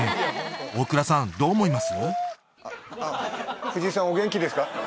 大倉さんどう思います？